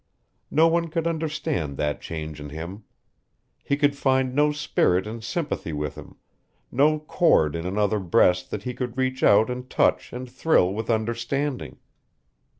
No one could understand that change in him. He could find no spirit in sympathy with him, no chord in another breast that he could reach out and touch and thrill with understanding.